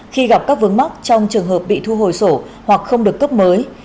khi gặp các vướng mắc trong trường hợp bị thu hồi sổ hoặc không được cấp mới